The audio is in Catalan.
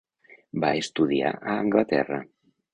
Va estudiar a Anglaterra.